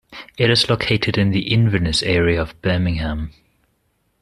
It is located in the Inverness area of Birmingham.